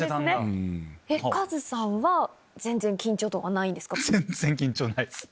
カズさんは全然緊張とかないんですか？